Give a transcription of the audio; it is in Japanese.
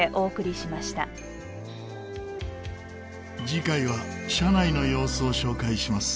次回は車内の様子を紹介します。